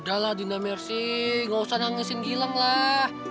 udah lah dinda mercy nggak usah nangisin gilang lah